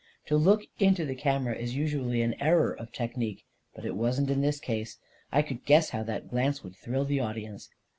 To look into the camera is usually an error of technique ; but it wasn't in this case. I could guess how that glance would thrill the audience